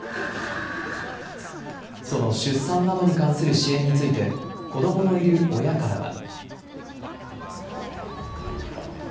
その出産などに関する支援について、子どものいる親からは。